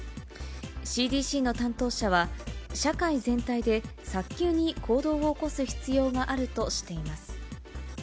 ＣＤＣの担当者は、社会全体で早急に行動を起こす必要があるとしています。